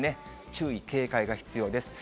注意、警戒が必要です。